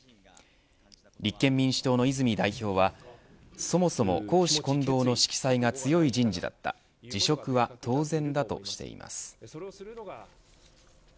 立憲民主党の泉代表はそもそも公私混同の色彩が強い人事だった辞職は当然だとしています。